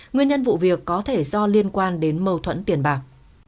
nguyên nhân vụ việc có thể do liên quan đến mâu thuẫn tiền bạc